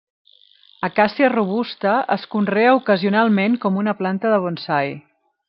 Acàcia robusta es conrea ocasionalment com una planta de bonsai.